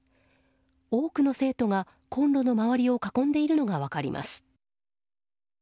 多くの生徒がコンロの周りを囲んでいるのが分かります。